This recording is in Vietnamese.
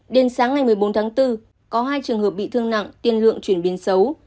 đến sáng ngày một mươi bốn tháng bốn có hai trường hợp bị thương nặng tiền lượng chuyển biến xấu